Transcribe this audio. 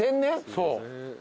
そう。